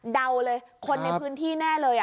เดาเลยคนในพื้นที่แน่เลย